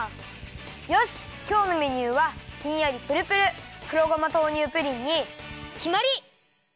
よしきょうのメニューはひんやりプルプル黒ごま豆乳プリンにきまり！